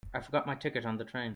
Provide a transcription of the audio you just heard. I forgot my ticket on the train.